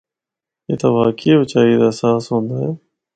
اِتھا واقعی اُچائی دا احساس ہوندا اے۔